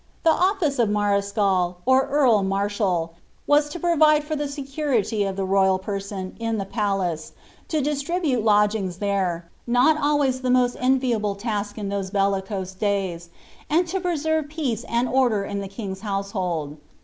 The office of the mareschal, or earl marshaU was to provide for the secu rity of the royal person, in the palace, to distribute lodgings there, (not always the most enviable task in those bellicose days,) and to preserve peace and order in the king's household.